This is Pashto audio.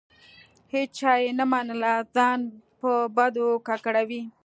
هیچا یې نه منله؛ ځان په بدۍ ککړوي.